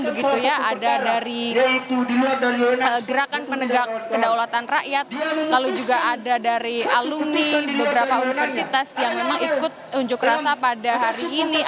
begitu ya ada dari gerakan penegak kedaulatan rakyat lalu juga ada dari alumni beberapa universitas yang memang ikut unjuk rasa pada hari ini